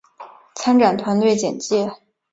参展团队简介